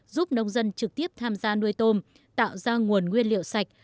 giúp nông dân trực tiếp tham gia nuôi tôm tạo ra nguồn nguyên liệu sạch